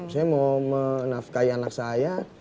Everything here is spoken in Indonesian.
saya mau menafkai anak saya